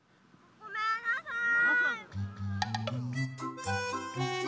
ごめんなさい！